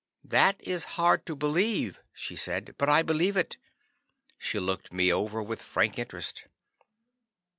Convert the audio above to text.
"That's hard to believe," she said, "but I believe it." She looked me over with frank interest.